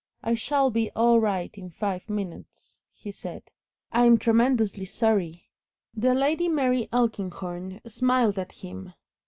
"I shall be all right in five minutes," he said. "I'm tremendously sorry " The Lady Mary Elkinghorn smiled at him.